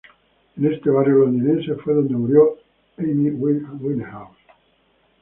En este barrio londinense fue donde murió Amy Winehouse.